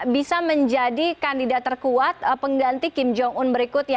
bisa menjadi kandidat terkuat pengganti kim jong un berikutnya